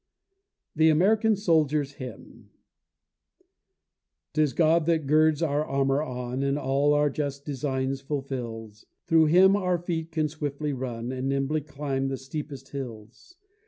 THE AMERICAN SOLDIER'S HYMN 'Tis God that girds our armor on, And all our just designs fulfils; Through Him our feet can swiftly run, And nimbly climb the steepest hills.